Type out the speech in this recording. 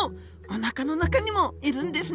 おなかの中にもいるんですね。